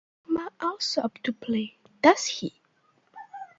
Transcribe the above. A player may also opt to say, does he?